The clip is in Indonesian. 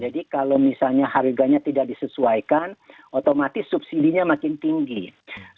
jadi kalau misalnya harganya tidak disesuaikan otomatis subsidinya menurun ya pak heranof